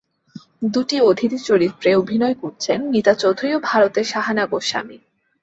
দুটি অতিথি চরিত্রে অভিনয় করেছেন মিতা চৌধুরী ও ভারতের শাহানা গোস্বামী।